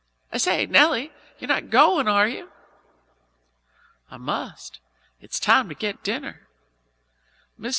I say, Nelly, you're not going, are you?" "I must. It's time to get dinner. Mr.